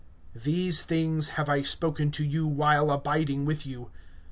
(25)These things have I spoken to you, while abiding with you.